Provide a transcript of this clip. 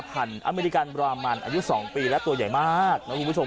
อเมริกันบรามันอายุ๒ปีและตัวใหญ่มากนะคุณผู้ชม